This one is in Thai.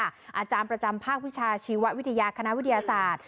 อาจารย์ประจำภาควิชาชีววิทยาคณะวิทยาศาสตร์